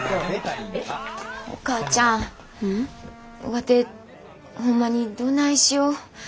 ワテホンマにどないしよう。